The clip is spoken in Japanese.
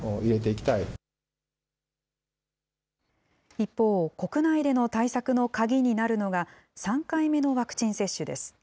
一方、国内での対策の鍵になるのが、３回目のワクチン接種です。